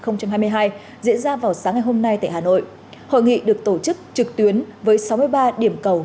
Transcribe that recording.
năm hai nghìn hai mươi hai diễn ra vào sáng ngày hôm nay tại hà nội hội nghị được tổ chức trực tuyến với sáu mươi ba điểm cầu